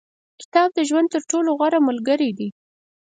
• کتاب، د ژوند تر ټولو غوره ملګری دی.